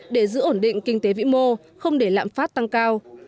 để giữ ổn định kinh tế vĩ mô không để lạm phát tăng cao